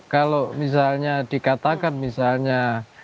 kalau misalnya dikatakan misalnya